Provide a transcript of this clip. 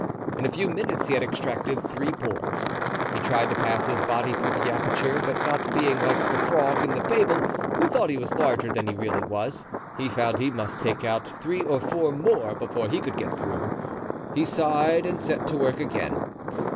In a few minutes he had extracted three boards. He tried to pass his body through the aperture, but not being like the frog in the fable, who thought he was larger than he really was, he found he must take out three or four more before he could get through. He sighed and set to work again.